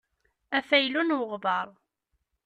Afaylu n weɣbaṛ.